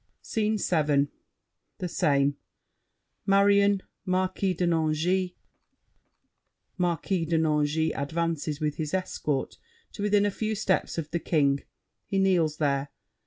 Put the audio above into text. SCENE VII The same. Marion, Marquis de Nangis. Marquis de Nangis advances with his escort to within a few steps of The King; he kneels there.